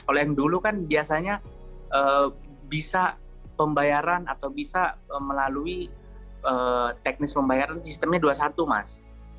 kalau yang dulu kan biasanya bisa pembayaran atau bisa melalui teknis pembayaran sistemnya dua puluh satu mas